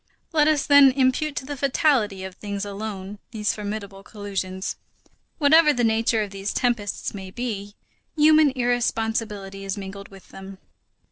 Let us, then, impute to the fatality of things alone these formidable collisions. Whatever the nature of these tempests may be, human irresponsibility is mingled with them.